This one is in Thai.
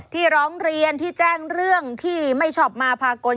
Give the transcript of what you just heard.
ร้องเรียนที่แจ้งเรื่องที่ไม่ชอบมาพากล